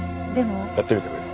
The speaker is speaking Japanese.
やってみてくれ。